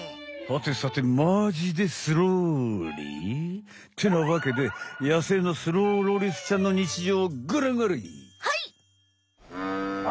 はてさてまじでスローリー？ってなわけでやせいのスローロリスちゃんのにちじょうをごらんあれ。